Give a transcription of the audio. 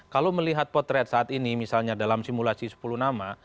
kalau melihat potret saat ini misalnya dalam simulasi sepuluh nama